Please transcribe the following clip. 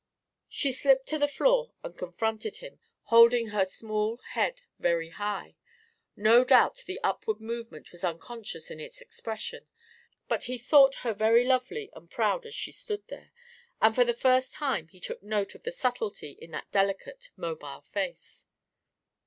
She slipped to the floor and confronted him, holding her small head very high. No doubt the upward movement was unconscious in its expression, but he thought her very lovely and proud as she stood there, and for the first time he took note of the subtlety in that delicate mobile face.